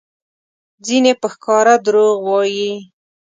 ځینې په ښکاره دروغ وایي؛